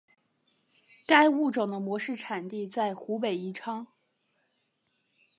该物种的模式产地在湖北宜昌。